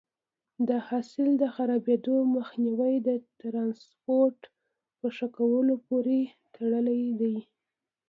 د حاصل د خرابېدو مخنیوی د ټرانسپورټ په ښه کولو پورې تړلی دی.